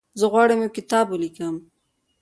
زه غواړم یو کتاب ولیکم.